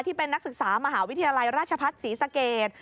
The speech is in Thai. ที่เป็นนักศึกษามหาวิทยาลัยราชพัฒน์ศรีสเกต